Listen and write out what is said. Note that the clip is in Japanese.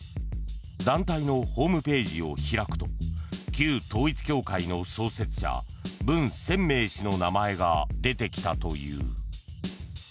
団体のホームページを開くと旧統一教会の創設者ブン・センメイ氏の名前が出てきたという。